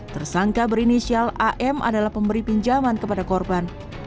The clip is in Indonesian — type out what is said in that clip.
tersangka berinisial am adalah pemberi pinjaman kepada korban